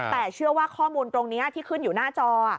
แต่เชื่อว่าข้อมูลตรงนี้ที่ขึ้นอยู่หน้าจอ